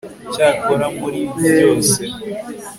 cyakora, muri ibyo byose